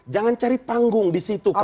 jangan cari panggung di situ